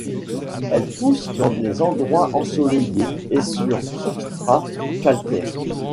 Elle pousse dans les endroits ensoleillés et sur substrat calcaire.